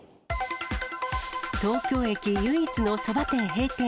東京駅唯一のそば店閉店。